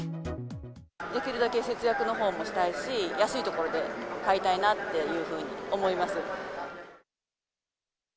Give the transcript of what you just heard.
できるだけ節約のほうもしたいし、安いところで買いたいなっていうふうに思います。